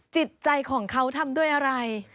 จิตใจของเขาทำด้วยอะไร